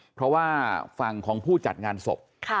เพราะว่าฝั่งของผู้จัดงานศพ